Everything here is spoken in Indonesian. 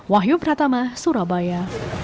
wahyu pratama surabaya